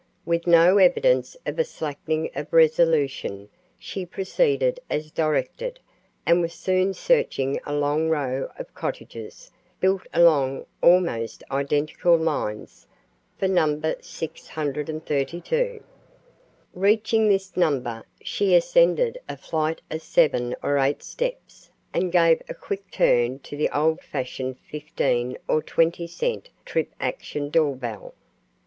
With no evidence of a slackening of resolution, she proceeded as directed and was soon searching a long row of cottages, built along almost identical lines, for number 632. Reaching this number, she ascended a flight of seven or eight steps and gave a quick turn to the old fashioned fifteen or twenty cent trip action door bell.